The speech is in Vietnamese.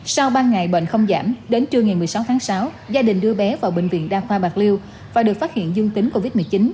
sau ba ngày bệnh không giảm đến trưa ngày một mươi sáu tháng sáu gia đình đưa bé vào bệnh viện đa khoa bạc liêu và được phát hiện dương tính covid một mươi chín